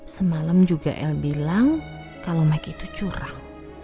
semalam juga el bilang kalo mike itu curang